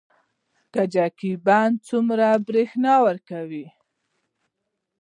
کجکي بند څومره بریښنا ورکوي؟